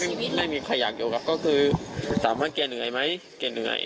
ใช่ครับไม่มีใครอยากอยู่ครับก็คือสามารถเกรียดเหนื่อยไหมเกรียดเหนื่อย